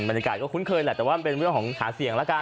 บรรยากาศก็คุ้นเคยแหละแต่ว่ามันเป็นเรื่องของหาเสียงแล้วกัน